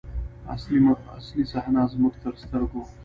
اصلي صحنه زموږ تر سترګو.